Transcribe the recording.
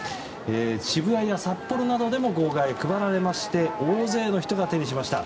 渋谷や札幌などでも号外が配られまして大勢の人が手にしました。